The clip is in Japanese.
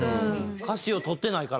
歌詞をとってないから。